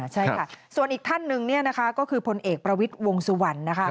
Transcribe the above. ใช่ค่ะส่วนอีกท่านหนึ่งก็คือพลเอกประวิทย์วงสุวรรณ